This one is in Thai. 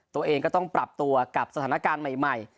ตัวเองก็ต้องปรับตัวกับสถานการณ์ใหม่